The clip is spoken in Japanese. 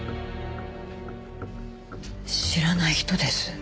知らない人です。